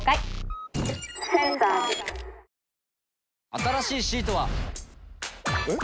新しいシートは。えっ？